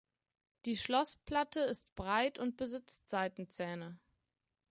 Die Schlossplatte ist breit und besitzt Seitenzähne.